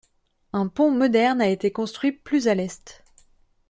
Un pont moderne a été construit plus à l’est.